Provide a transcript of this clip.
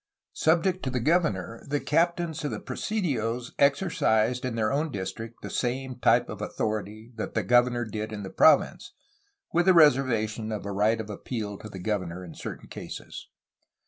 Subject to the governor, the captains of presidios exercised in their own district the same type of authority that the governor did in the province, with the reservation of a right of appeal to the governor in certain cases.